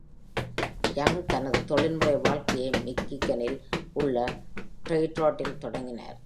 Young தனது தொழில்முறை வாழ்க்கையை மிக்கிகனில் உள்ள டெட்ராய்டில் தொடங்கினார்.